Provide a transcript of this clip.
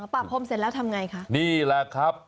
ปะพรมเสร็จแล้วทำไงคะนี่แหละครับ